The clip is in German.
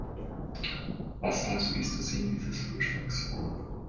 Was also ist der Sinn dieses Vorschlags?